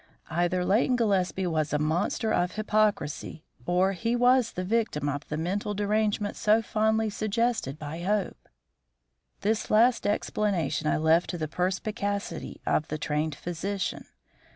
Either Leighton Gillespie was a monster of hypocrisy or he was the victim of the mental derangement so fondly suggested by Hope. This last explanation I left to the perspicacity of the trained physician.